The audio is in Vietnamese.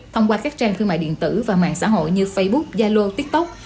thông qua các trang thương mại điện tử và mạng xã hội như facebook zalo tiktok